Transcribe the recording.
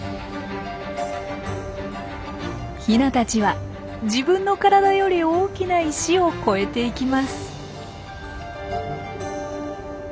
ヒナたちは自分の体より大きな石を越えていきます。